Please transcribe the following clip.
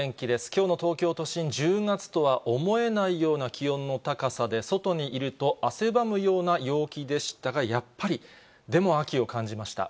きょうの東京都心、１０月とは思えないような気温の高さで、外にいると汗ばむような陽気でしたが、やっぱり、でも秋を感じました。